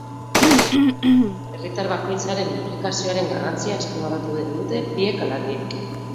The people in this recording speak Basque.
Herritar bakoitzaren inplikazioaren garrantzia azpimarratu digute biek ala biek.